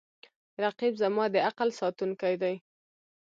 رقیب زما د عقل ساتونکی دی